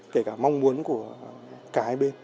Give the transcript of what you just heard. kể cả mong muốn của cả hai bên